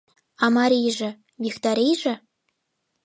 А марийже, Вихторийже?